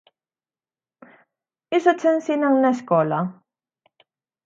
Iso che ensinan na escola?